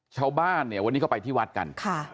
ชาวบ้านเนี่ยวันนี้ก็ไปที่วัดกัน